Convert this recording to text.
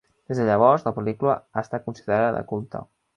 Des de llavors, la pel·lícula ha estat considerada de culte.